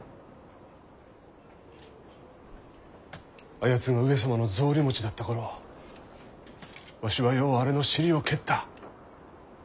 あやつが上様の草履持ちだった頃わしはようあれの尻を蹴った。